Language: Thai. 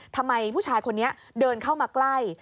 ทำไมผู้ชายคนนี้เดินเข้ามาใกล้